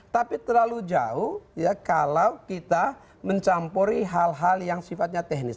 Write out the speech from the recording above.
tapi terlalu jauh ya kalau kita mencampuri hal hal yang sifatnya teknis